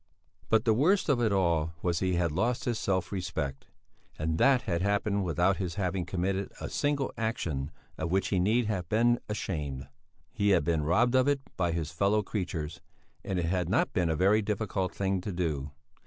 But the worst of it all was he had lost his self respect. And that had happened without his having committed a single action of which he need have been ashamed. He had been robbed of it by his fellow creatures, and it had not been a very difficult thing to do.